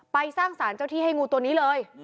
ไปสร้างสารเจ้าที่ให้งูตัวนี้เลย